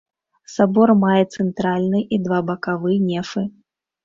Сабор мае цэнтральны і два бакавы нефы.